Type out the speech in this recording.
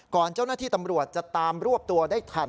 เจ้าหน้าที่ตำรวจจะตามรวบตัวได้ทัน